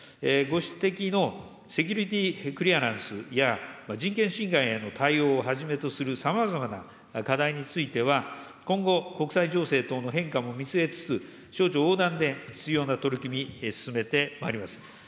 ご指摘のセキュリティー・クリアランスや、人権侵害への対応をはじめとするさまざまな課題については、今後、国際情勢等の変化も見据えつつ、省庁横断で、必要な取り組み進めてまいります。